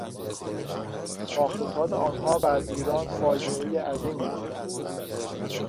تاخت و تاز آنها بر ایران فاجعهی عظیمی بود.